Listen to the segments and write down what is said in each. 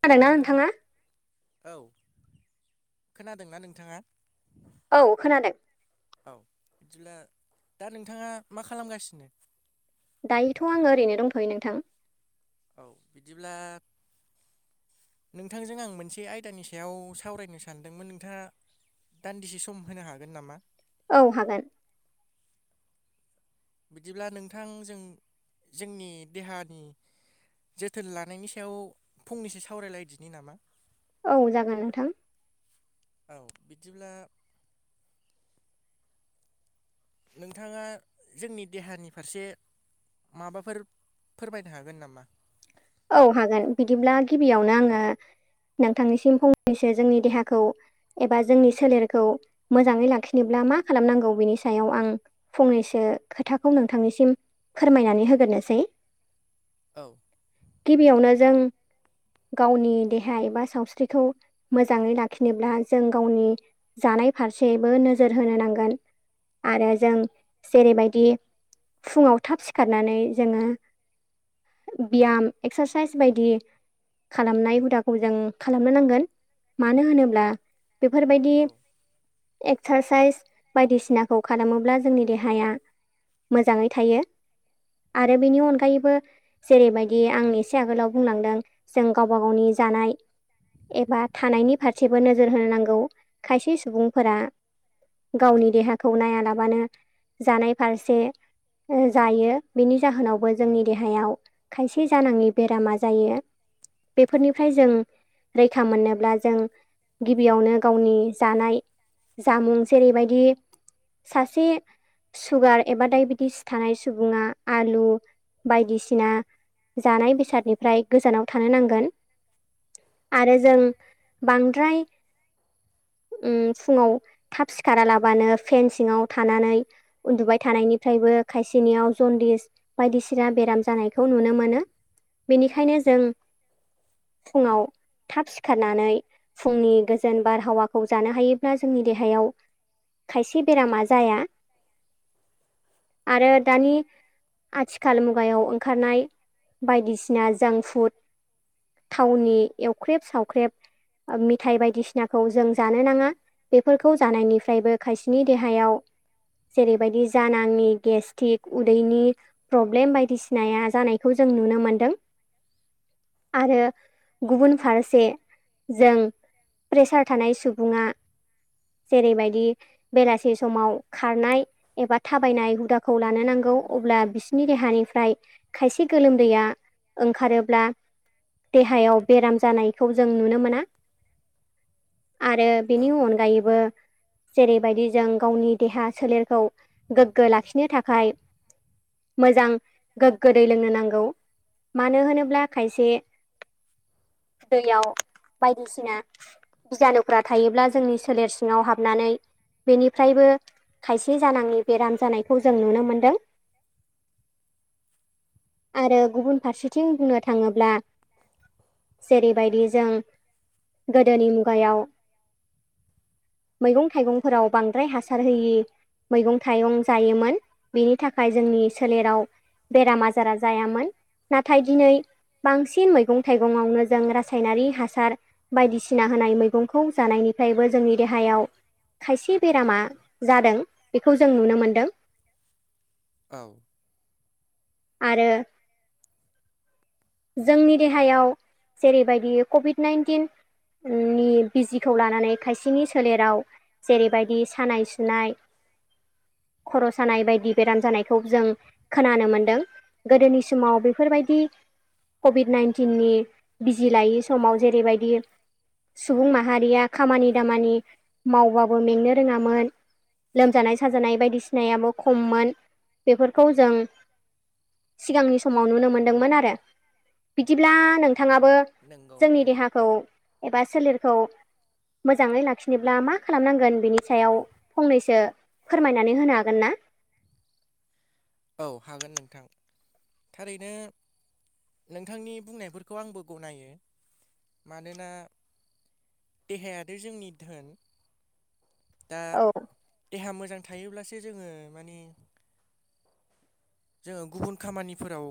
हेल' खोनादोंना नोंथां नोंथाङा? औ खोनादोंना नोंथाङा? औ खोनादों। औ बिदिब्ला दा नोंथाङा मा खालामगासिनो? दायोथ' आङो ओरैनो दंथ'यो नोंथां। औ बिदिब्ला नोंथांजों आं मोनसे आयदानि सायाव सावरायनो सानदोंमोन नोंथाङा दान्दिसे सम होनो हागोन नामा? औ हागोन बिदिब्ला नोंथां जों जोंनि देहानि जोथोन लानायनि सायाव फंनैसो सावरायलायदिनि नामा औ जागोन नोंथां। औ बिदिब्ला नोंथाङा जोंनि देहानि फारसे माबाफोर फोरमायनो हागोन नामा? औ हागोन बिदिब्ला गिबियावनो आङो नोंथांनिसिम फंनैसो जोंनि देहाखौ एबा जोंनि सोलेरखौ मोजाङै लाखिनोब्ला मा खालामनांगौ बिनि सायाव आं फंनैसो खोथाखौ नोंथांनिसिम फोरमायनानै होगोरनोसै औ। गिबियावनो जों गावनि देहा एबा सावस्रिखौ मोजाङै लाखिनोब्ला जों गावनि जानाय फारसेबो नोजोर होनो नांगोन आरो जों जेरैबायदि फुङाव थाब सिखारनानै जोङो बियाम एक्सारसाइस बायदि खालामनाय हुदाखौ जों खालामनो नांगोन मानो होनोब्ला बेफोरबायदि औ एक्सारसाइस बायदिसिनाखौ खालामोब्ला जोंनि देहाया मोजाङै थायो आरो बेनि अनगायैबो जेरैबायदि आं एसे आगोलाव बुंलांदों जों गावबा गावनि जानाय एबा थानायनि फारसेबो नोजोर होनांगौ खायसे सुबुंफोरा गावनि देहाखौ नाया लाबानो जानाय फारसे ओ जायो बिनि जाहोनावबो जोंनि देहायाव बि जानांङि बेरामा जायो बेफोरनिफ्राय जों रैखा मोनोब्ला जों गिबियावनो गावनि जानाय जामुं जेरैबायदि सासे सुगार एबा डाइबेटिस थानाय सुबुङा आलु बायदिसिना जानाय बेसादनिफ्राय गोजानाव थानो नांगोन आरो जों बांद्राय उम फुङाव थाब सिखारालाबानो फेनसिङाव थानानै उन्दुबाय थानायनिफ्रायबो खायसेनियाव जन्दिस बायदिसिना बेराम जानायखौ नुनो मोनो। बिनिखायनो जों फुङाव थाब सिखारनानै फुंनि गोजोन बारहावाखौ जानो हायोब्ला जोंनि देहायाव खायसे बेरामा जाया आरो दानि आथिखाल मुगायाव ओंखारनाय बायदिसिना जांक फुड थावनि एवख्रेब सावख्रेब ओ मिथाइ बायदिसिनाखौ जों जानो नाङा बेफोरखौ जानायनिफ्रायबो खायसेनि देहायाव जेरैबायदि जानाङि गेस्टिक उदैनि प्रब्लेम बायदिसिनाया जानायखौ जों नुनो मोनदों। आरो गुबुन फारसे जों प्रेसार थानाय सुबुङा जेरैबायदि बेलासे समाव खारनाय एबा थाबायनाय हुदाखौ लानो नांगौ अब्ला बिसोरनि देहानिफ्राय खायसे गोलोमदैया ओंखारोब्ला देहायाव बेराम जानायखौ जों नुनो मोनो। [inaudible] आरो औ बेनि अनगायैबो जेरैबायदि जों गावनि देहा सोलेरखौ गोग्गो लाखिनो थाखाय मोजां गोग्गो दै लोंनो ना गौ मानो होनोब्ला खायसे दैयाव बायदिसिना बिजानुफ्रा थायोब्ला जोंनि सोलेर सिङाव हाबनानै बेनिफ्रायबो खायसे जानाङनि बेराम जानायखौ जों नुनो मोनदों। आरो गुबुन फारसेथिं बुंनो थाङोब्ला जेरैबायदि जों गोदोनि मुगायाव मैगं थाइगंफोराव बांद्राय हासार होयि मैगं थाइगं जायोमोन बेनि थाखाय जोंनि सोलेराव बेरामा ज बारा जायामोन नाथाय दिनै बांसिन मैगं थाइगंावनो जों रासायनारि हासार बायदिसिना होनाय मैगंखौ जानायनिफ्रायबो जोंनि देहायाव खायसे बेरामा जादों बेखौ जों नुनो मोनदों औ आरो जोंनि देहायाव जेरैबायदि कभिड नाइन्टिन नि बिजिखौ लानानै खायसेनि सोलेराव जेरैबायदि सानाय सुनाय खर' सानाय बायदि बेराम जानायखौ जों खोनानो मोनदों गोदोनि समाव बेफोरबायदि कभिड नाइन्टिननि बिजि लायि समाव जेरैबायदि सुबुं माहारिया खामानि दामानि मावबाबो मेंनो रोङामोन। लोमजानाय साजानाय बायदिसिनायाबो खममोन बेफोरखौ जों सिगांनि समाव नुनो मोनदोंमोन आरो। बिदिब्ला नोंथाङाबो नंगौ जोंनि औ देहाखौ एबा सोलेरखौ मोजाङै लाखिनोब्ला मा खालामनांगोन बेनि सायाव फंनैसो फोरमायनानै होनो हागोन ना औ हागोन नोंथां थारैनो नोंथांनि बुंनायफोरखौ आंबो गनायो मानोना देहायाथ जोंनि धोन दा औ देहा मोजां थायोब्लासो जोङो माने जोङो गुबुन खामानिफोराव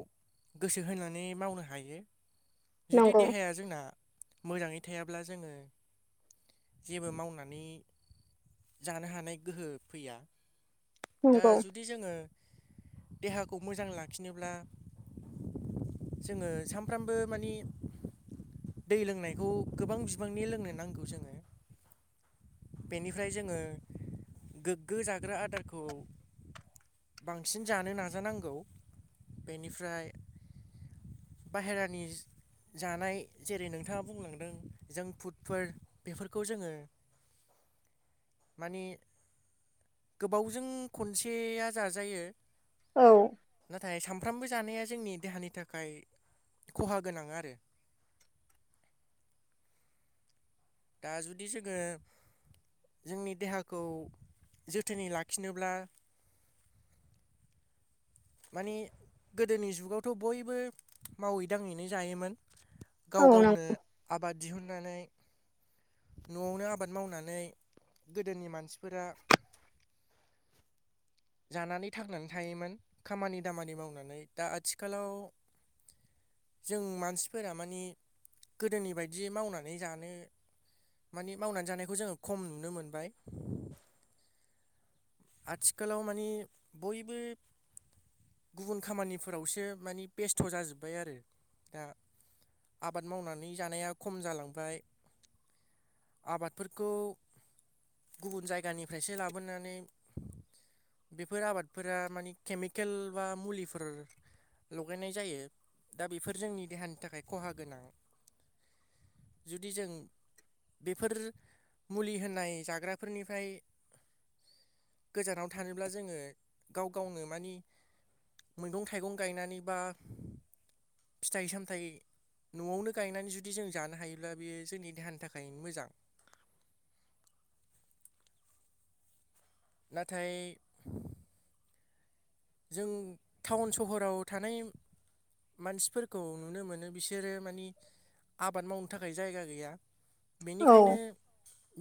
गोसो होनानै मावनो हायो जुदि नंगौ देहाया जोंना मोजाङै थायाब्ला जोङो जेबो मावनानै जानो हानाय गोहो फैया दा नंगौ जुदि जोङो देहाखौ मोजां लाखिनोब्ला जोङो सानफ्रामबो माने दै लोंनायखौ गोबां बिबांनि लोंनो नांगौ जोङो बेनिफ्राय जोङो गोग्गो जाग्रा आदारखौ बांसिन जानो नाजानांगौ बेनिफ्राय बाहेरानि जानाय जेरै नोंथाङा बुंलांदों जों फुडफोर बेफोरखौ जोङो माने गोबावजों खनसेया जाजायो। औ। नाथाय सामफ्रामबो जानाया जोंनि देहानि थाखाय खहा गोनां आरो। दा जुदि जोङो जोंनि देहाखौ जोथोनै लाखिनोब्ला माने गोदोनि जुगावथ' बयबो मावै दाङैनो जायोमोन। औ गाव नं गावनो आबाद दिहुननानै न'आवनो आबाद मावनानै गोदोनि मानसिफोरा [inaudible] जानानै थांनानै थायोमोन खामानि दामानि मावनानै दा आथिखालाव जों मानसिफोरा मानि गोदोनि बायदि मावनानै जानो माने मावनानै जानायखौ जोङो खम नुनो मोनबाय। आथिखालाव माने बयबो गुबुन खामानिफोरावसो मानि बेस्थ' जाजोब्बाय आरो दा आबाद मावनानै जानाया खम जालांबाय। आबादफोरखौ गुबुन जायगानिफ्रायसो लाबोनानै बेफोर आबादफोरा मानि केमिकेल बा मुलिफोर लगायनाय जायो दा बेफोर जोंनि देहानि थाखाय ख'हा गोनां। जुदि जों बेफोर मुलि होनाय जाग्राफोरनिफाय गोजानाव थानोब्ला जोङो गाव गावनो मानि मैगं थाइगं गायनानै बा फिथाइ सामथाइ न'आवनो गायनानै जुदि जों जानो हायोब्ला बियो जोंनि देहानि थाखायनो मोजां। नाथाय जों थाउन सहराव थानाय मानसिफोरखौ नुनो मोनो बिसोरो मानि आबाद मावनो थाखाय जायगा गैया औ बेनिखायनो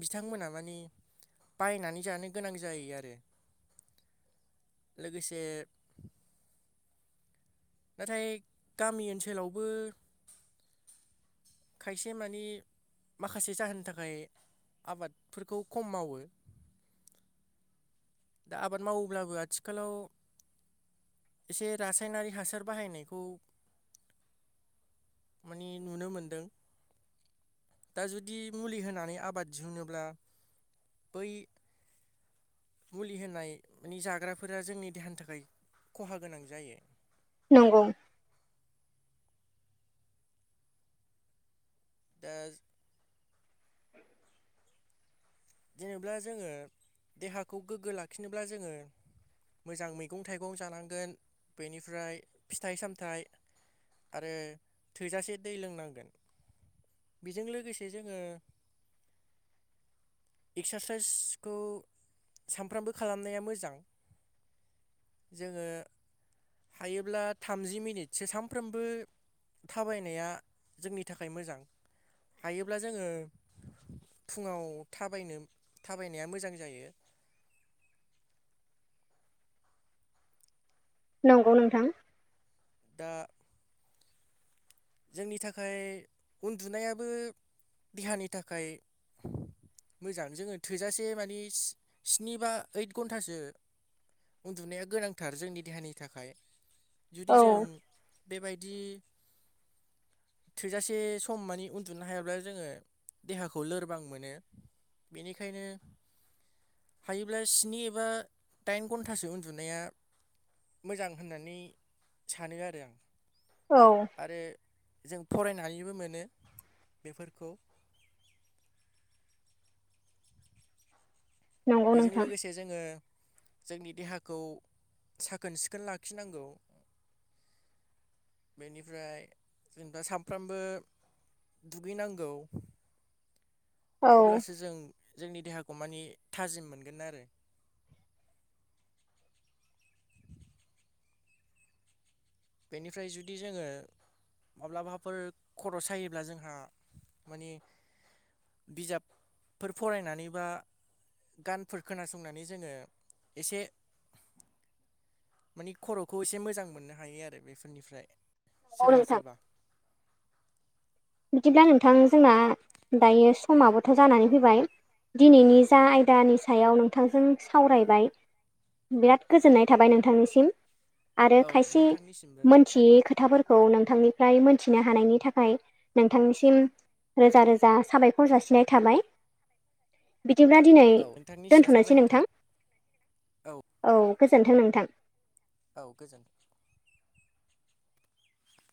बिथांमोना माने बायनानै जानो गोनां जायो आरो। [inaudible] लोगोसे नाथाय गामि ओनसोलावबो खायसे मानि माखासे जाहोननि थाखाय आबादफोरखौ खम मावो। दा आबाद मावोब्लाबो आथिखालाव एसे रासायनारि हासार बाहायनायखौ माने नुनो मोन्दों। दा जुदि मुलि होनानै आबाद दिहुनोब्ला बै मुलि होनाय मानि जाग्राफोरा जोंनि देहानि थाखाय ख'हा गोनां जायो। नंगौ। दा जेनेब्ला जोङो देहाखौ गोग्गो लाखिनोब्ला जोङो मोजां मैगं थाइगं जानांगोन बेनिफ्राय फिथाइ सामथाइ आरो थोजासे दै लोंनांगोन बेजों लोगोसे जोङो एक्सासाइसखौ सानफ्रामबो खालामनाया मोजां। जोङो हायोब्ला थामजि मिनिटसो सानफ्रोमबो थाबायनाया जोंनि थाखाय मोजां। हायोब्ला जोङो फुङाव थाबायनो थाबायनाया मोजां जायो। नंगौ नोंथां। दा जोंनि थाखाय उन्दुनायाबो देहानि थाखाय मोजां जोङो थोजासे मानि स्नि बा ओइद घन्टासो उन्दुनाया गोनांथार जोंनि देहानि थाखाय जुदि औ जों बेबायदि थोजासे सम मानि उन्दुनो हायाब्ला जोङो देहाखौ लोरबां मोनो। बेनिखायनो हायोब्ला स्नि एबा दाइन घन्टासो उन्दुनाया मोजां होननानै सानो आरो आं औ आरो जों फरायनानैबो मोनो बेफोरखौ नंगौ बेजों नोंथां लोगोसे जोङो जोंनि देहाखौ साखोन सिखोन लाखिनांगौ बेनिफ्राय जों दा सामफ्रामबो दुगैनांगौ औ अब्लासो जों जोंनि देहाखौ मानि‌ थाजिम मोनगोन आरो बेनिफ्राय जुदि जोङो माब्लाबाफोर खर' सायोब्ला जोंहा माने बिजाबफोर फरायनानैबा गानफोर खोनासंनानै जोङो एसे मानि खर'खौ एसे मोजां मोननो हायो आरो बेफोरनिफ्राय नंगौ सोरबा नोंथां सोरबा बिदिब्ला नोंथां जोंना दायो समाबोथ' जानानै फैबाय दिनैनि जा आयदानि सायाव नोंथांजों सावरायबाय बिराद गोजोननाय थाबाय नोंथांनिसिम आरो औ खायसे नोंथांनिसिमबो मोनथियै खोथाफोर खौ नोंथांनिफ्राय मोनथिनो हानायनि थाखाय नोंथांनिसिम रोजा रोजा साबायखर जासिनाय थाबाय बिदिब्ला दिनै औ नोंथांनिसिमबो दोनथ'नोसै साबायखर नोंथां थाबाय औ गोजोनथों नोंथां औ गोजोन